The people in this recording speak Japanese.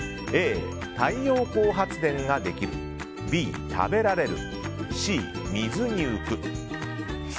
Ａ、太陽光発電ができるＢ、食べられるＣ、水に浮く。